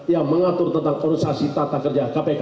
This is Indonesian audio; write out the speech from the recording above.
yang mengatur tentang perusahaan tata kerja kpk